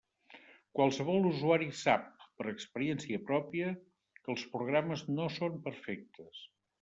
Qualsevol usuari sap, per experiència pròpia, que els programes no són perfectes.